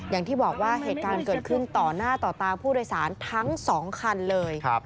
อย่างที่บอกว่าเหตุการณ์เกิดขึ้นต่อหน้าต่อตาผู้โดยสารทั้ง๒คันเลย